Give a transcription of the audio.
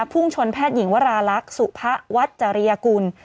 ภูมิชนแพทย์หญิงวรารักษ์สู่พระวัดจริยกุล